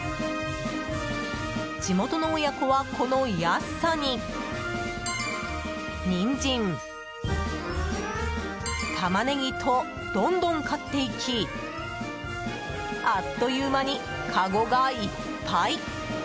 地元の親子は、この安さにニンジン、タマネギとどんどん買っていきあっという間にかごがいっぱい。